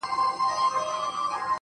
اوس مي د زړه قلم ليكل نه كوي~